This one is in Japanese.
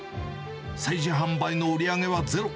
催事販売の売り上げはゼロ。